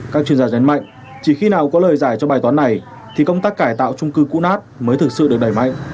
các chuyên gia gián mạnh chỉ khi nào có lời giải cho bài toán này thì công tác cải tạo trung cư cũ nát mới thực sự được đẩy mạnh